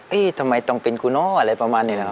ทำไมต้องเป็นกูเนอะอะไรประมาณนี้นะครับ